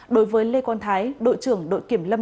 đối với lê quang thái đội trưởng đội kiểm lâm